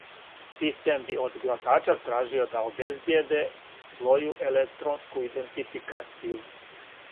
Систем би од гласача тражио да обезбиједе своју електронску идентификацију.